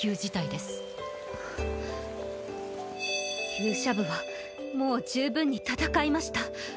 勇者部はもう十分に戦いました。